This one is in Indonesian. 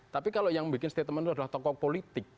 tapi kalau yang bikin statement itu adalah tokoh politik